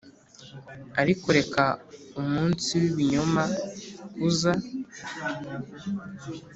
ariko reka umunsi wibinyoma uza